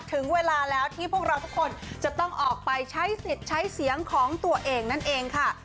ถึงเวลาแล้วที่พวกเราทุกคนจะต้องออกไปใช้สิทธิ์ใช้เสียงของตัวเองนั่นเองค่ะ